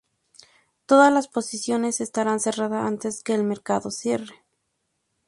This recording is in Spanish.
Todas las posiciones estarán cerradas antes de que el mercado cierre.